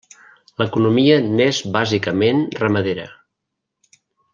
L'economia n'és bàsicament ramadera.